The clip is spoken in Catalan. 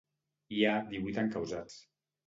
Hi ha divuit encausats.